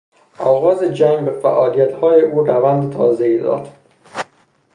آغاز جنگ به فعالیتهای او روند تازهای داد.